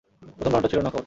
প্রথম রাউন্ডটা ছিল নক-আউট।